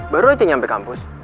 baru aja nyampe kampus